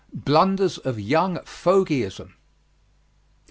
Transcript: BLUNDERS OF YOUNG FOGYISM.